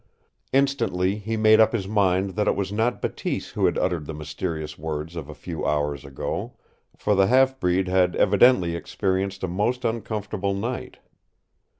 Instantly he made up his mind that it was not Bateese who had uttered the mysterious words of a few hours ago, for the half breed had evidently experienced a most uncomfortable night.